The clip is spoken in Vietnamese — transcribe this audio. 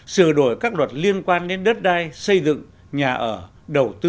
sửa đổi các luật liên quan đến đất đai xây dựng nhà ở đầu tư